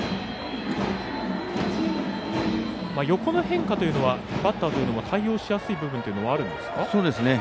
横の変化というのはバッターというのは対応しやすい部分というのはあるんですか。